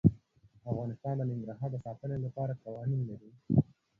افغانستان د ننګرهار د ساتنې لپاره قوانین لري.